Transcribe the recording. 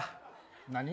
何？